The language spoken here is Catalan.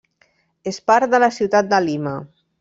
És part de la ciutat de Lima.